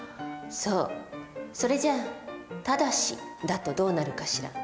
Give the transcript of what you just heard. それじゃあ「ただし」だとどうなるかしら。